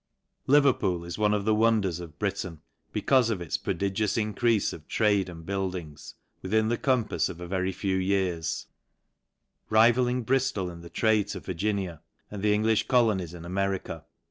Vol. III. N Lcverpaol 266 LANCASH I RE. LeverpGol is one of the wonders of Britain, be caufeofits prodigious increafe of trade and build* ings, within the eompafs of a very few years ; rival, ing Briftol in the trade to Virginia, and the Englijh colonies in America.